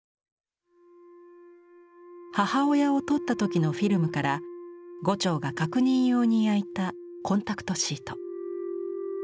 母親を撮った時のフィルムから牛腸が確認用に焼いたコンタクトシート。